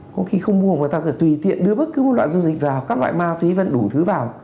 có khi không mua mà người ta tùy tiện đưa bất cứ loại dung dịch vào các loại mao thúy vân đủ thứ vào